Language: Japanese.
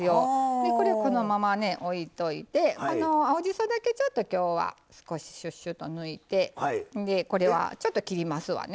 でこれこのままねおいといてこの青じそだけちょっと今日は少しシュッシュッと抜いてこれはちょっと切りますわね。